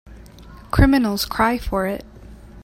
Criminals cry for it.